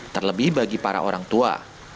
terlebih bagi para orang tua